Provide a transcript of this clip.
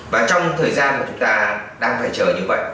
và trong thời gian mà chúng ta đang phải chờ như vậy